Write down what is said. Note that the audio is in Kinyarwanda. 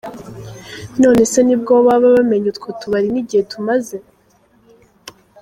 None se nibwo baba bamenye utwo tubari n’igihe tumaze?.